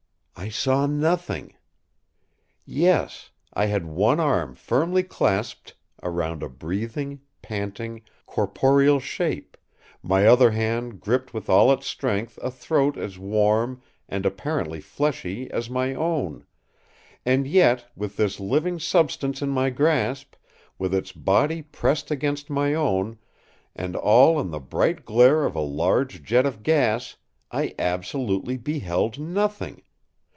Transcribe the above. I saw nothing! Yes; I had one arm firmly clasped round a breathing, panting, corporeal shape, my other hand gripped with all its strength a throat as warm, and apparently fleshly, as my own; and yet, with this living substance in my grasp, with its body pressed against my own, and all in the bright glare of a large jet of gas, I absolutely beheld nothing!